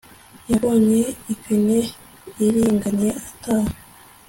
yabonye ipine iringaniye ataha